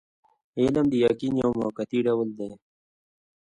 علم د یقین یو موقتي ډول دی.